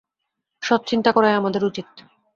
সৎ চিন্তা করাই আমাদের উচিত।